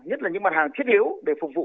nhất là những mặt hàng thiết yếu để phục vụ